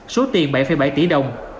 số tiền bảy bảy tỷ đồng